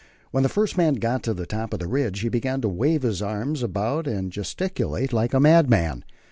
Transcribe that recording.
When the first man got to the top of the ridge, he began to wave his arms about and gesticulate like a madman.